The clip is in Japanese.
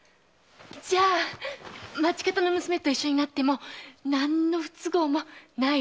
じゃあ町方の娘と一緒になっても何の不都合もないわけね！